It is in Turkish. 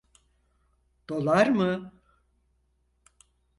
Dolar mı?